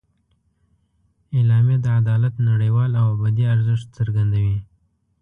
اعلامیه د عدالت نړیوال او ابدي ارزښت څرګندوي.